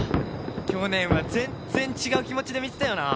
去年は全然違う気持ちで見てたよな。